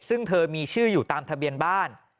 ซึ่งเธอมีชื่ออยู่ตามทะเบียนบ้าน